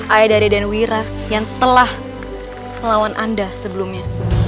ayadari dan wira yang telah melawan anda sebelumnya